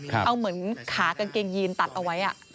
ครับเอาเหมือนขากางเกงยีนตัดเอาไว้อ่ะอ่า